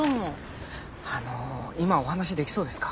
あの今お話できそうですか？